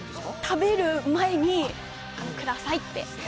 食べる前に、くださいって。